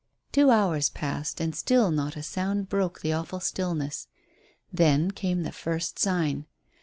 Two hours passed and still not a sound broke the awful stillness. Then came the first sign.